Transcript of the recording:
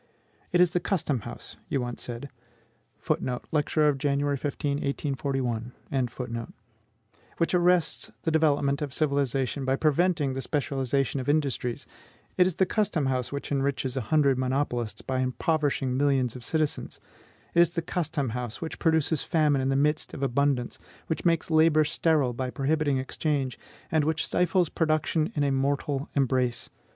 It is the custom house, you once said, which arrests the development of civilization by preventing the specialization of industries; it is the custom house which enriches a hundred monopolists by impoverishing millions of citizens; it is the custom house which produces famine in the midst of abundance, which makes labor sterile by prohibiting exchange, and which stifles production in a mortal embrace.